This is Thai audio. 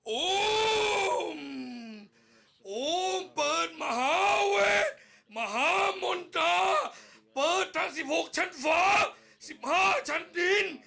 โอ้มโอ้มเปิดมหาเวทมหามนตราเปิดทางสิบหกชั้นฝาสิบห้าชั้นดิน